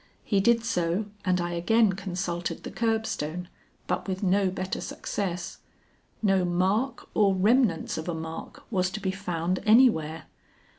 He did so, and I again consulted the curbstone, but with no better success. No mark or remnants of a mark was to be found anywhere.